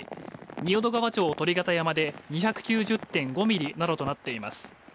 仁淀川町鳥形山で２９０．５ミリなどとなっています